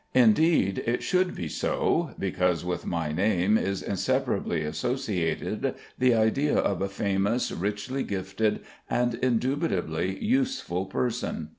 Indeed, it should be so; because with my name is inseparably associated the idea of a famous, richly gifted, and indubitably useful person.